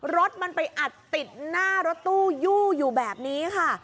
รถมันไปอัดติดหน้ารถตู้ยู่อยู่แบบนี้ค่ะ